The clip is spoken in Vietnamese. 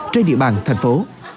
trên địa bàn thành phố